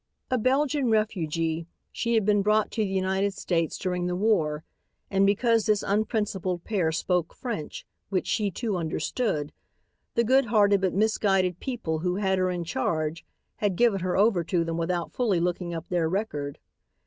A Belgian refugee, she had been brought to the United States during the war, and because this unprincipled pair spoke French, which she too understood, the good hearted but misguided people who had her in charge had given her over to them without fully looking up their record.